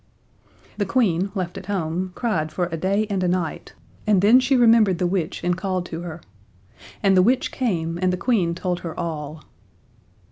The Queen, left at home, cried for a day and a night, and then she remembered the witch and called to her. And the witch came, and the Queen told her all.